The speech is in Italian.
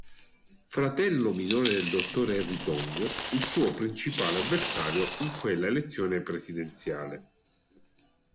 Fratello minore del dottore Harry Tong, il suo principale avversario in quella elezione presidenziale.